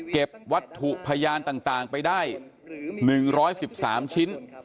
เก็บวัตถุพยานต่างไปได้๑๑๓ชิ้น